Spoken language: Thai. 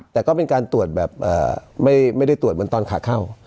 แต่ก็เป็นการตรวจแบบไม่ได้ตรวจเหมือนตอนขาเข้า